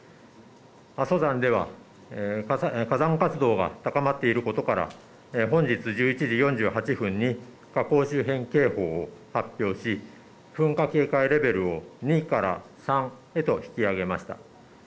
阿蘇山では火山活動が高まっていることから本日、１１時４８分に火口周辺警報を発表し噴火警戒レベルを２から３へと引き上げました。